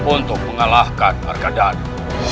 untuk mengalahkan arkadana